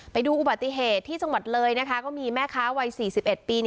ไปดูอุบัติเหตุที่จังหวัดเลยนะคะก็มีแม่ค้าวัย๔๑ปี